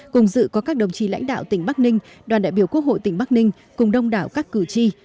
cùng dự có các đồng chí lãnh đạo tỉnh bắc ninh đoàn đại biểu quốc hội tỉnh bắc ninh cùng đông đảo các cử tri